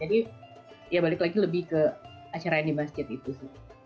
jadi ya balik lagi lebih ke acara yang di masjid itu sih